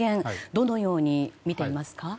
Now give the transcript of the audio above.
どのようにみていますか？